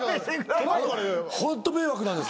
ホント迷惑なんです。